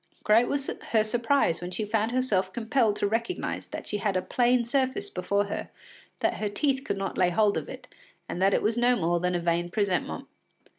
Great was her surprise when she found herself compelled to recognise that she had a plane surface before her, that her teeth could not lay hold of it, and that it was no more than a vain presentment.